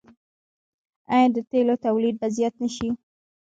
آیا د تیلو تولید به زیات نشي؟